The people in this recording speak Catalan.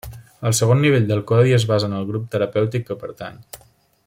El segon nivell del codi es basa en el grup terapèutic que pertany.